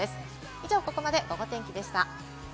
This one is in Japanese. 以上、ここまでゴゴ天気でした。